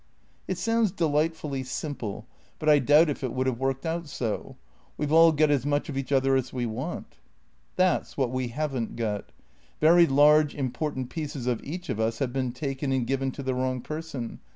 " It sounds delightfully simple, but I doubt if it would have worked out so. We've all got as much of each other as we want." " That 's what we have n't got. Very large, important pieces of each of us have been taken and given to the wrong person.